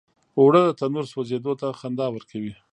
اوړه د تنور سوزیدو ته خندا ورکوي